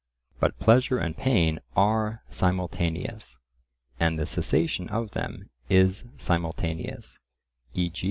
But pleasure and pain are simultaneous, and the cessation of them is simultaneous; e.